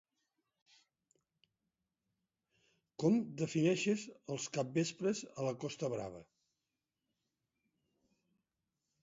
Com defineix els capvespres a la costa brava?